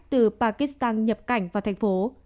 từ pakistan nhập cảnh vào thành phố